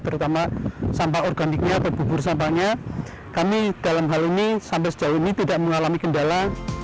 terutama sampah organiknya atau bubur sampahnya kami dalam hal ini sampai sejauh ini tidak mengalami kendala